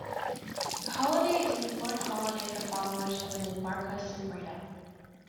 The holiday is an important holiday for followers of the Nimbarka sampradaya.